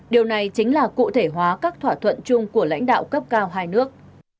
điều này chính là cụ thể hóa các thỏa thuận chung của lãnh đạo cấp cao hai nước